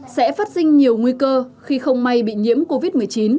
sẽ phát sinh nhiều nguy cơ khi không may bị nhiễm covid một mươi chín